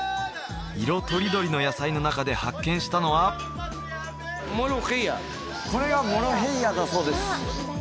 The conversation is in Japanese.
色とりどりの野菜の中で発見したのはこれがモロヘイヤだそうです